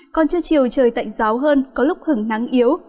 còn trưa chiều trời tạnh giáo hơn có lúc hứng nắng yếu